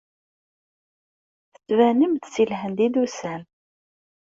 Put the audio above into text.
Tettbanem-d seg Lhend i d-tusam.